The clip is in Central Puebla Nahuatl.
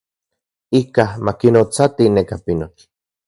Ikaj ma kinotsati neka pinotl.